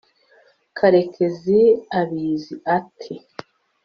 karekezi abizi ate